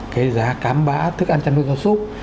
cái giá cám bã thức ăn chăm đôi do súc